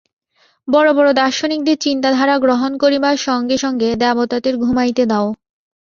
বড় বড় দার্শনিকদের চিন্তাধারা গ্রহণ করিবার সঙ্গে সঙ্গে দেবতাদের ঘুমাইতে দাও।